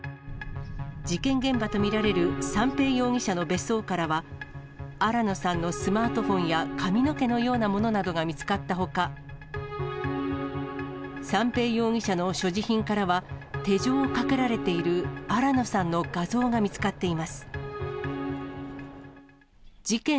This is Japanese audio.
事件現場と見られる三瓶容疑者の別荘からは、新野さんのスマートフォンや髪の毛のようなものなどが見つかったほか、三瓶容疑者の所持品からは、手錠をかけられている新野さんの画像が見つかっています。